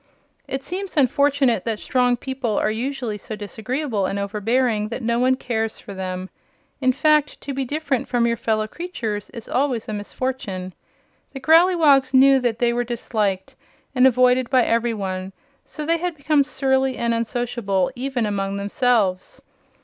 It seems unfortunate that strong people are usually so disagreeable and overbearing that no one cares for them. In fact, to be different from your fellow creatures is always a misfortune. The Growleywogs knew that they were disliked and avoided by every one, so they had become surly and unsociable even among themselves.